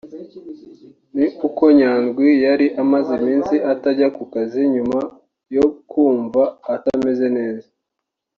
ni uko Nyandwi yari amaze iminsi atajya ku kazi nyuma yo kumva atameze neza